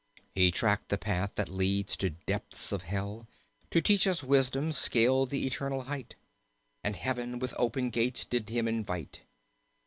He tracked the path that leads to depths of Hell To teach us wisdom, scaled the eternal height. And heaven with open gates did him invite.